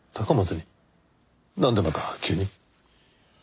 なんでまた急に？